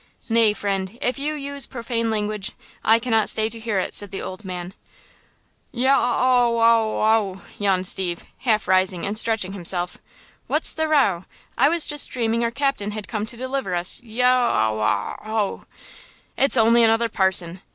"Nay, friend, if you use profane language, I cannot stay to hear it," said the old man. "Yaw aw aw ow!" yawned Steve, half rising and stretching himself. "What's the row? I was just dreaming our captain had come to deliver us–yow aw aw ooh! It's only another parson!"